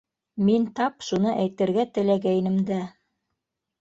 —Мин тап шуны әйтергә теләгәйнем дә.